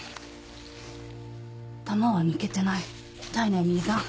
弾は抜けてない体内に遺残。